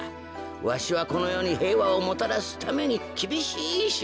わしはこのよにへいわをもたらすためにきびしいしゅぎょうを。